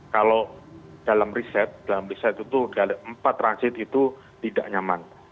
kalau dalam riset dalam riset itu empat transit itu tidak nyaman